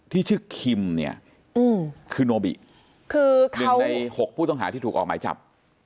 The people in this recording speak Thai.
ที่ชื่อคิมเนี่ยคือโนบิคือ๑ใน๖ผู้ต้องหาที่ถูกออกหมายจับ